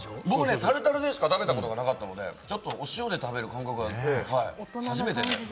僕ね、タルタルでしか食べたことがなかったんで、お塩で食べる感覚は初めて。